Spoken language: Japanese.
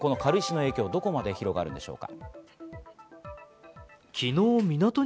軽石の影響、どこまで広がるのでしょうか。